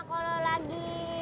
ini kalau lagi diem terus digituin